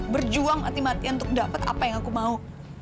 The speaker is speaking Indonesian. berjuang mati matian untuk dapat apa yang aku mau